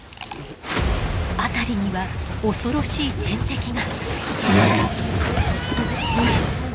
辺りには恐ろしい天敵が。